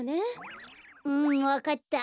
うんわかった。